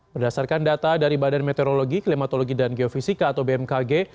berdasarkan data dari badan meteorologi klimatologi dan geofisika atau bmkg